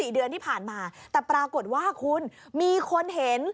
๔เดือนที่ผ่านมาแต่ปรากฏว่าคุณมีคนเห็น